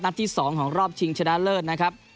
ที่๒ของรอบชิงชนะเลิศนะครับ